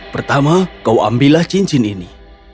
pertama kau ambillah cincin ini